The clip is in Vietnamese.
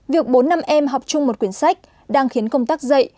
việc bốn năm em học chung một quyển sách đang khiến công tác dạy